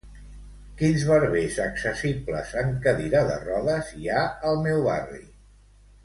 Quins barbers accessibles en cadira de rodes hi ha al meu barri?